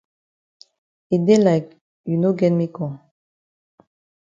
E dey like you no get me kong